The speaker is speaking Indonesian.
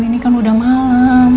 ini kan udah malam